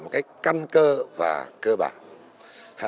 một cách căn cơ và cơ bản